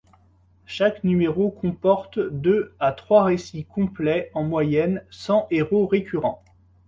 Chaque numéro comporte deux à trois récits complets en moyenne, sans héros récurrent.